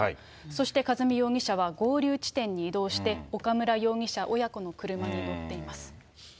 そして和美容疑者は合流地点に移動して、岡村容疑者親子の車に乗っています。